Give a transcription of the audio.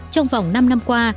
trong vòng năm năm qua